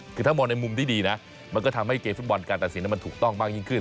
คือถ้ามองในมุมที่ดีนะมันก็ทำให้เกมฟุตบอลการตัดสินมันถูกต้องมากยิ่งขึ้น